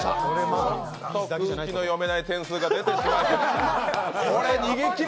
空気の読めない点数が出てしまった。